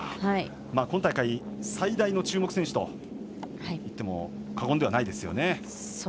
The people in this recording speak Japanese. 今大会最大の注目選手と言っても過言ではないですよね。